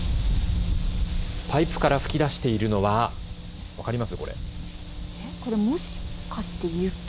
パイプから噴き出しているのは分かります？